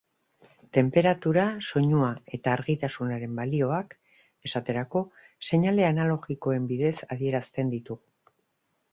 Tenperatura, soinua eta argitasunaren balioak, esaterako, seinale analogikoen bidez adierazten ditugu.